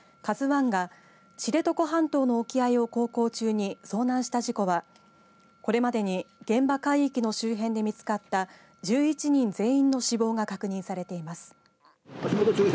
ＫＡＺＵＩが知床半島の沖合を航行中に遭難した事故はこれまでに現場海域の周辺で見つかった１１人全員の死亡が確認されています。